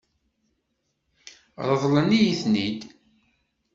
Ṛeḍlen-iyi-ten-id?